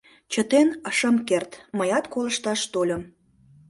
Чытен ыжым керт, мыят колышташ тольым.